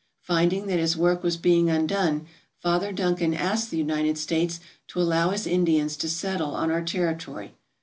Finding that his work was being un done, Father Duncan asked the United States to allow his Indians to settle on our territory.